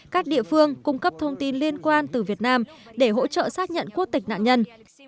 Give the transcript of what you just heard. các địa phương cung cấp thông tin liên quan từ việt nam để hỗ trợ xác nhận quốc tịch nạn nhân